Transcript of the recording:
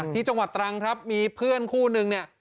ที่จังหวัดตรังครับมีเพื่อนคู่นึงเนี่ย